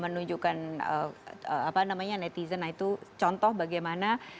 netizen itu contoh bagaimana